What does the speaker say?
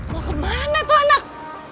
mau kemana tuh anak